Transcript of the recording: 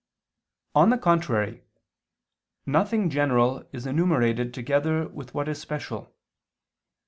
On the contrary, Nothing general is enumerated together with what is special.